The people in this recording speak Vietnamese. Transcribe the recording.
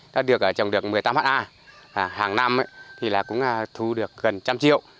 đã được trồng được một mươi tám ha hàng năm cũng thu được gần một trăm linh triệu